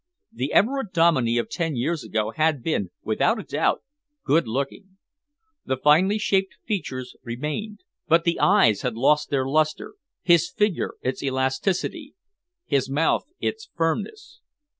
The Everard Dominey of ten years ago had been, without a doubt, good looking. The finely shaped features remained, but the eyes had lost their lustre, his figure its elasticity, his mouth its firmness.